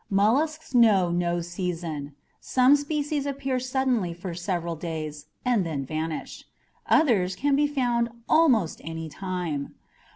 Mollusks know no season. Some species appear suddenly for several days and then vanish; others can be found almost anytime.